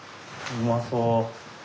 うまそう。